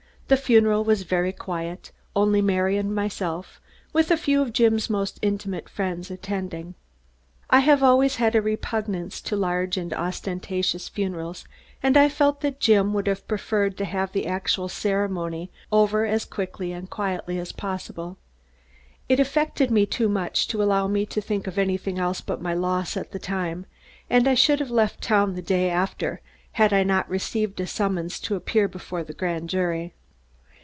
The funeral was very quiet, only Mary and myself, with a few of Jim's most intimate friends, attending. I have always had a repugnance to large and ostentatious funerals and I felt that Jim would have preferred to have the actual ceremony over as quickly and quietly as possible. It affected me too much to allow me to think of anything else but my loss, at the time, and I should have left town the day after, had I not received a summons to appear before the grand jury.